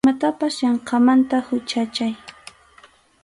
Imatapas yanqamanta huchachay.